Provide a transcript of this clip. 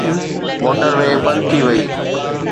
Motor وي بند ٿي وئي.